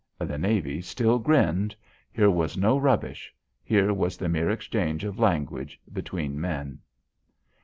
The navy still grinned. Here was no rubbish. Here was the mere exchange of language between men.